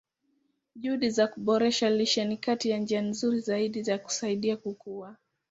Juhudi za kuboresha lishe ni kati ya njia nzuri zaidi za kusaidia kukua.